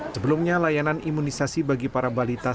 sebelumnya layanan imunisasi bagi para balita